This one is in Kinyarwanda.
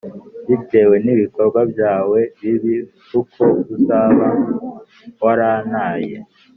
bitewe n’ibikorwa byawe bibi, kuko uzaba warantaye